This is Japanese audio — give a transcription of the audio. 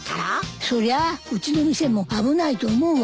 そりゃうちの店も危ないと思うわよ。